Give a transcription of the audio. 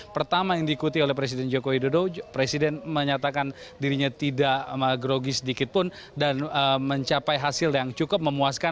pertama yang diikuti oleh presiden joko widodo presiden menyatakan dirinya tidak grogi sedikitpun dan mencapai hasil yang cukup memuaskan